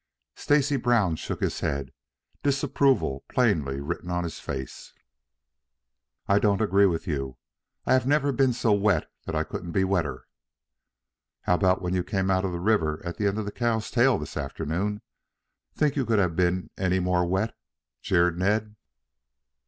Stacy Brown shook his head, disapproval plainly written on his face. "I don't agree with you. I have never been so wet that I couldn't be wetter." "How about when you came out of the river at the end of a cow's tail this afternoon? Think you could have been any more wet?" jeered Ned.